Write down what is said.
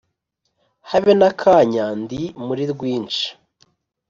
habe n'akanya ndi muri rwinshi